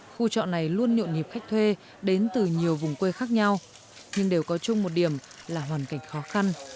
khu trọ này luôn nhộn nhịp khách thuê đến từ nhiều vùng quê khác nhau nhưng đều có chung một điểm là hoàn cảnh khó khăn